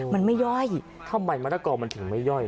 มันไม่ย่อยทำไมมะละกอมันถึงไม่ย่อย